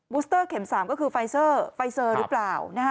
สเตอร์เข็ม๓ก็คือไฟเซอร์ไฟเซอร์หรือเปล่า